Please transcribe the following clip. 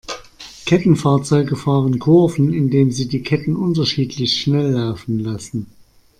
Kettenfahrzeuge fahren Kurven, indem sie die Ketten unterschiedlich schnell laufen lassen.